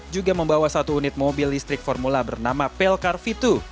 juga membawa satu unit mobil listrik formula bernama pelkar v dua